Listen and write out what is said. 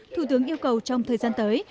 thủ tướng yêu cầu trong thời gian tới